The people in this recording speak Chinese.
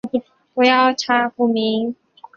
泰特文是位于保加利亚的一座城市。